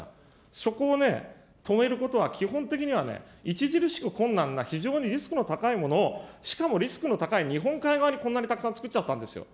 そこを止めることは、基本的には著しく困難な非常にリスクの高いものを、しかもリスクの高い日本海側にこんなにたくさん造っちゃったんですよ。